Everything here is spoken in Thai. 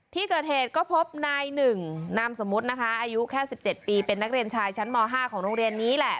ที่เกิดเหตุก็พบนายหนึ่งนามสมมุตินะคะอายุแค่๑๗ปีเป็นนักเรียนชายชั้นม๕ของโรงเรียนนี้แหละ